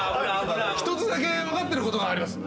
一つだけ分かってることがあります。